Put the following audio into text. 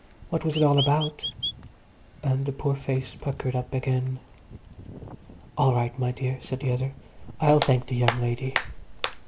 What was it all about? And the poor face puckered up again. "All right, my dear," said the other. "I'll thenk the young lady."